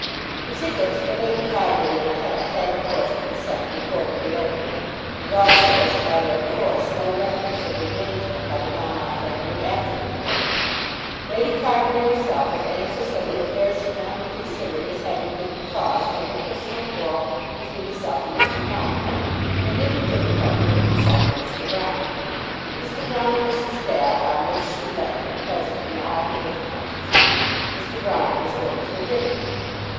The tickets for Lady Carbury and Hetta had of course been sent before the elopement; and also, as a matter of course, no reference had been made to them by the Melmotte family after the elopement. Lady Carbury herself was anxious that that affair should not be considered as having given cause for any personal quarrel between herself and Mr. Melmotte, and in her difficulty had consulted Mr. Broune. Mr. Broune was the staff on which she leant at present in all her difficulties. Mr. Broune was going to the dinner.